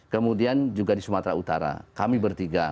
kemudian juga di sumatera utara kami bertiga